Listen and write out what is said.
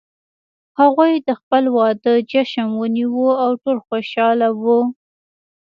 هغوی د خپل واده جشن ونیو او ټول خوشحال وو